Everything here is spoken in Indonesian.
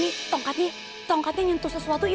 ini tongkatnya nyentuh sesuatu